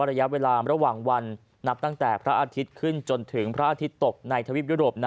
ทุกสินอดเมื่อกี้